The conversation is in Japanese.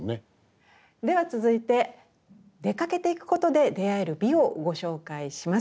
では続いて出かけていくことで出会える美をご紹介します。